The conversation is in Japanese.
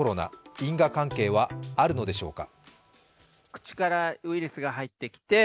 因果関係はあるのでしょうか。